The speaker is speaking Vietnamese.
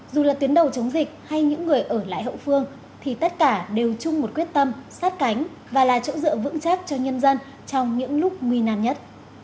dù là tuyến đầu chống dịch hay những người ở lại hậu phương thì tất cả đều chung một quyết tâm sát cánh và là chỗ dựa vững chắc cho nhân dân trong những lúc nguy nan nhất